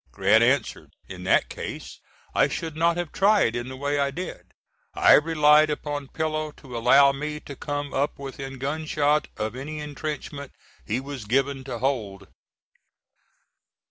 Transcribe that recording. Grant answered, "In that case I should not have tried in the way I did; I relied upon Pillow to allow me to come up within gunshot of any entrenchments he was given to hold."